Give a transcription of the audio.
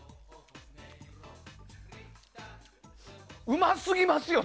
うますぎますよ。